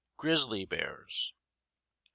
GRIZZLY BEARS. 6.